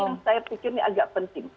satu lagi yang saya pikir ini agak penting